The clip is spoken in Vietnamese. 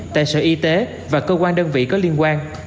tại sở y tế và cơ quan đơn vị có liên quan